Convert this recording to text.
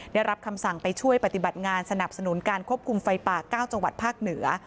ได้รับคำสั่งไปช่วยปฏิบัติงานสนับสนุนการควบคุมไฟป่า๙จังหวัดภาคเหนือ